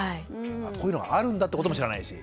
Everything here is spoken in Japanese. こういうのがあるんだっていうことも知らないし。